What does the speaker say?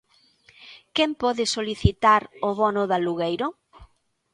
Quen pode solicitar o bono de alugueiro?